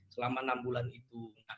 selama enam bulan itu